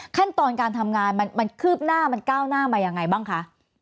ขั้นตอนการทำงานมันคืบหน้ามันก้าวหน้ามายังไงบ้างคะ